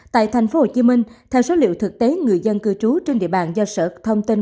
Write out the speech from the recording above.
tại tp hcm theo số liệu thực tế người dân cư trú trên địa bàn do sở thông tin